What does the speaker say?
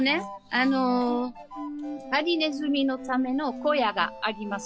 あのハリネズミのための小屋があります。